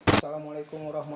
assalamualaikum wr wb